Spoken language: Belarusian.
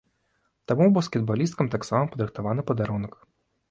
Таму баскетбалісткам таксама падрыхтаваны падарунак.